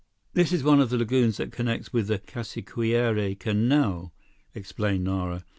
"This is one of the lagoons that connects with the Casiquiare Canal," explained Nara.